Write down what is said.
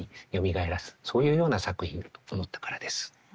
そういうような作品と思ったからです。